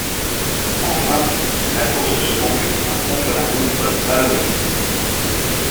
Enfin, la course se conclut par un contre-la-montre vallonné.